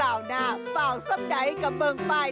อ้าวงานนี่พอได้อาย